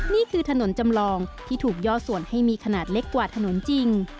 นี่คือถนนจำลองที่ถูกย่อส่วนให้มีขนาดเล็กกว่าถนนจริง